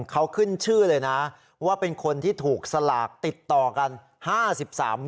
เขาขึ้นชื่อเลยนะว่าเป็นคนที่ถูกสลากติดต่อกัน๕๓